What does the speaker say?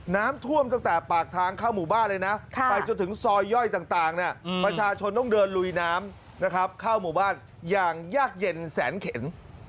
น้ำท่วมตั้งแต่ปากทางเข้าหมู่บ้านเลยนะไปจนถึงซอยย่อยต่างประชาชนต้องเดินลุยน้ำนะครับเข้าหมู่บ้านอย่างยากเย็นแสนเข็น